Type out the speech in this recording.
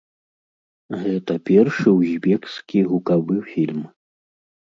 Гэта першы узбекскі гукавы фільм.